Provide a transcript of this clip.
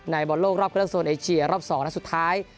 ในบอร์ดโลกรอบกระทับโซนเอเชียรอบ๒และสุดท้าย